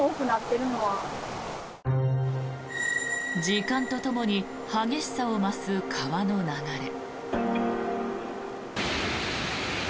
時間とともに激しさを増す川の流れ。